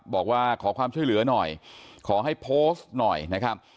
บอกว่าขอความช่วยเหลือหน่อยขอให้โพสต์หน่อยนะครับ